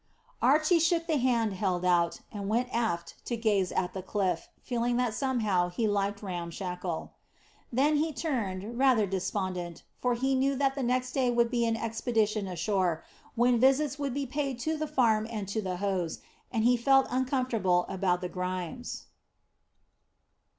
Archy shook the hand held out, and went aft to gaze at the cliff, feeling that somehow he liked Ram Shackle. Then he turned, rather despondent, for he knew that the next day there would be an expedition ashore, when visits would be paid to the farm and to the Hoze, and he felt uncomfortable about the Graemes.